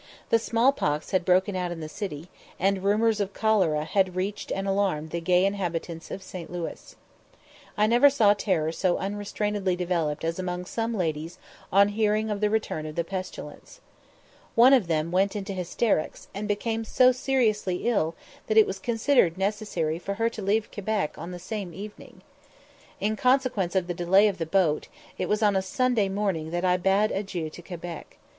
The small pox had broken out in the city, and rumours of cholera had reached and alarmed the gay inhabitants of St. Louis. I never saw terror so unrestrainedly developed as among some ladies on hearing of the return of the pestilence. One of them went into hysterics, and became so seriously ill that it was considered necessary for her to leave Quebec the same evening. In consequence of the delay of the boat, it was on a Sunday morning that I bade adieu to Quebec.